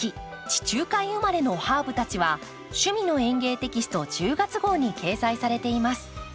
地中海生まれのハーブたち」は「趣味の園芸」テキスト１０月号に掲載されています。